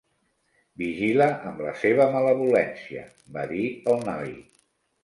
"Vigila amb la seva malevolència" va dir el noi.